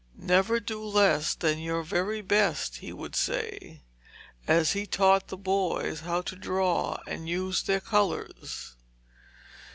'Never do less than your very best,' he would say, as he taught the boys how to draw and use their colours.